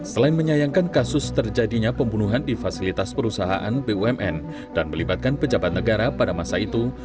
selain menyayangkan kasus terjadinya pembunuhan di fasilitas perusahaan bumn dan melibatkan pejabat negara pada masa itu